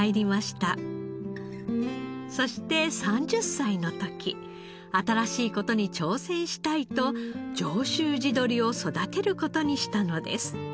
そして３０歳の時新しい事に挑戦したいと上州地鶏を育てる事にしたのです。